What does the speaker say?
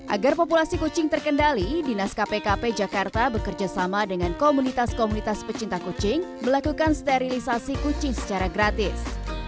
agar populasi kucing terkendali dinas kpkp jakarta bekerjasama dengan komunitas komunitas pecinta kucing melakukan sterilisasi kucing secara gratis